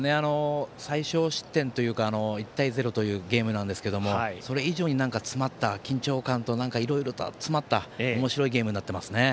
最少失点というか１対０というゲームですけどそれ以上に緊張感とか、いろいろ詰まったおもしろいゲームになっています。